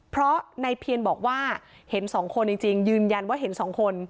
เพราะในเพียนบอกว่าเห็นสองคนจริงยืนยันว่าเห็นสองคน